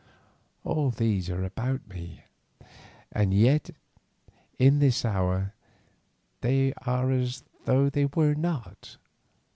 All these are about me, and yet in this hour they are as though they were not.